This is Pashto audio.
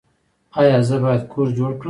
ایا زه باید کور جوړ کړم؟